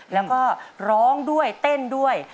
แล้วก็ร้องด้วยเต้นด้วย